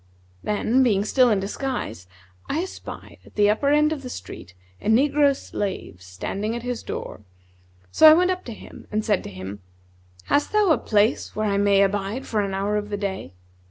Then, being still in disguise I espied, at the upper end of the street, a negro slave standing at his door; so I went up to him and said to him, 'Hast thou a place where I may abide for an hour of the day?'